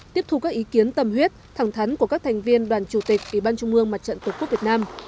tiếp thu các ý kiến tâm huyết thẳng thắn của các thành viên đoàn chủ tịch ubnd tổ quốc việt nam